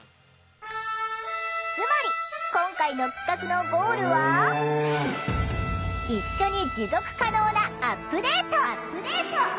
つまり今回の企画のゴールは「一緒に持続可能なアップデート」。